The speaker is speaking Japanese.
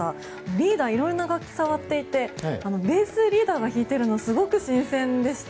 リーダーはいろんな楽器を触っていてベース、リーダーが弾いているのすごく新鮮でした。